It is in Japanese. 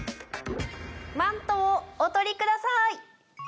マントをお取りください。